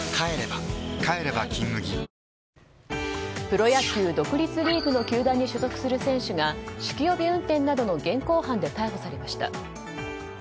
プロ野球独立リーグの球団に所属する選手が酒気帯び運転などの現行犯で逮捕されました。